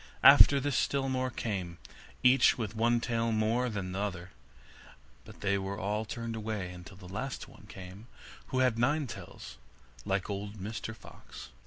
After this still more came, each with one tail more than the other, but they were all turned away, until at last one came who had nine tails, like old Mr Fox.